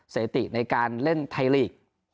สถิติในการเล่นไทยลีก